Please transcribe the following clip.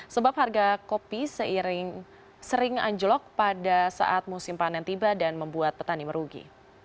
sebab harga kopi sering anjlok pada saat musim panen tiba dan membuat petani merugi